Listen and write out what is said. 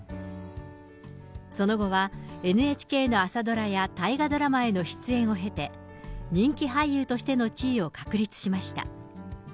その後は、ＮＨＫの朝ドラや大河ドラマへの出演を経て、人気俳優としての地位を確立しました。